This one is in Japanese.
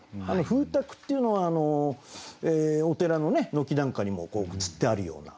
「風鐸」っていうのはお寺の軒なんかにもつってあるような。